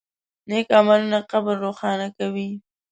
نیک عملونه قبر روښانه کوي.